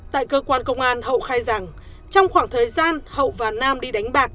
tại cơ quan công an hậu khai giảng trong khoảng thời gian hậu và nam đi đánh bạc